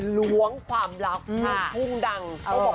หลวงความรักถูงดัง